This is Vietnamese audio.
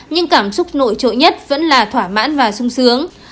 nhưng cảm xúc nổi trội nhất vẫn là thỏa mãn và sung sướng